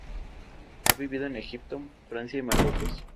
Ha vivido en Egipto, Francia y Marruecos.